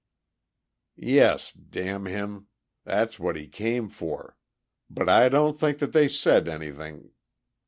"Yes, damn him. That's what he came for. But I don't think that they said anything...."